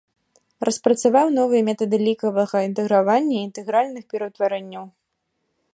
Распрацаваў новыя метады лікавага інтэгравання і інтэгральных пераўтварэнняў.